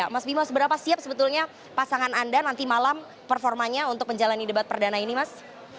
mas bimo seberapa siap sebetulnya pasangan anda nanti malam performanya untuk menjalani debat perdana ini mas